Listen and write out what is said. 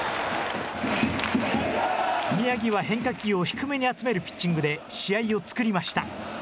宮城は変化球を低めに集めるピッチングで試合を作りました。